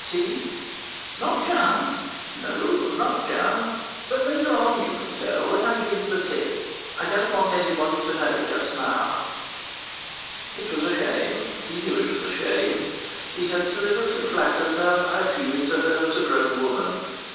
See?" "Not Jean?" "No, not Jean. But later on you can tell when I give you the tip. I don't want anybody to know just now." It was a shame. He knew it was a shame. He deliberately flattered her by appealing to her as to a grown woman.